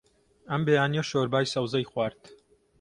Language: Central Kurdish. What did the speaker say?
ئەم بەیانییە شۆربای سەوزەی خوارد.